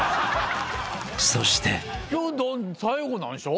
［そして］今日最後なんでしょ？